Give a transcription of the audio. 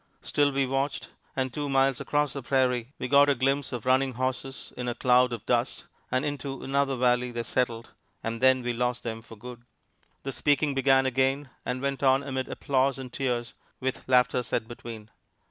Still we watched, and two miles across the prairie we got a glimpse of running horses in a cloud of dust, and into another valley they settled, and then we lost them for good. The speaking began again and went on amid applause and tears, with laughter set between.